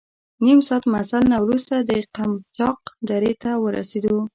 نیم ساعت مزل نه وروسته د قمچاق درې ته ورسېدو.